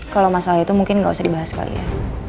kalau masalah itu mungkin nggak usah dibahas kali ya